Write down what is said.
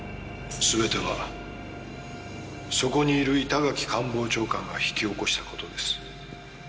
全てはそこにいる板垣官房長官が引き起こした事です。